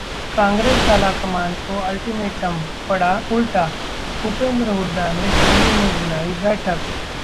कांग्रेस आलाकमान को अल्टीमेटम पड़ा उल्टा, भूपेंद्र हुड्डा ने दिल्ली में बुलाई बैठक